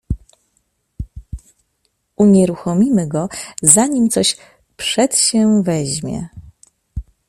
"Unieruchomimy go, zanim coś przedsięweźmie."